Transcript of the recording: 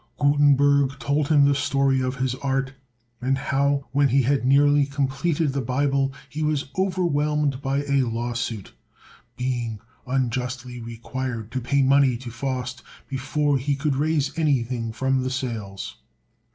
Gutenberg told him the story of his art, and how, when he had nearly completed the Bible, he was overwhelmed by a lawsuit, being unjustly required to pay money to Faust before he could raise anything from the sales.